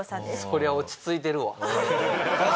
そりゃ落ち着いてるわ。